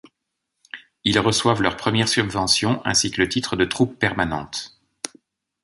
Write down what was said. Ils reçoivent leur première subvention ainsi que le titre de Troupe Permanente.